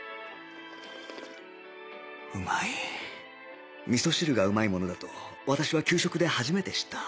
うまい味噌汁がうまいものだと私は給食で初めて知った